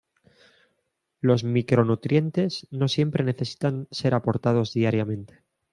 Los micronutrientes no siempre necesitan ser aportados diariamente.